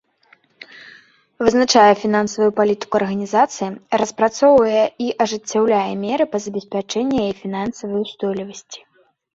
Вызначае фінансавую палітыку арганізацыі, распрацоўвае і ажыццяўляе меры па забеспячэнні яе фінансавай устойлівасці.